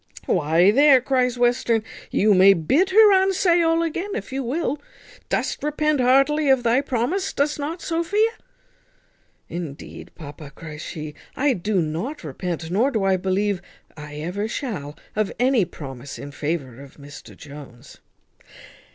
"Why, there," cries Western, "you may bid her unsay all again if you will. Dost repent heartily of thy promise, dost not, Sophia?" "Indeed, papa," cries she, "I do not repent, nor do I believe I ever shall, of any promise in favour of Mr Jones."